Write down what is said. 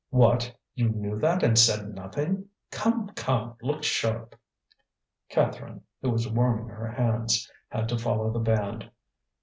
"What! you knew that, and said nothing? Come, come, look sharp!" Catherine, who was warming her hands, had to follow the band.